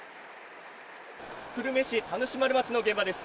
久留米市田主丸町の現場です。